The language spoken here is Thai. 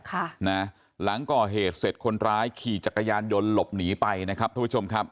ค่ะนะหลังก่อเหตุเสร็จคนร้ายขี่จักรยานยนต์หลบหนีไปนะครับทุกผู้ชมครับ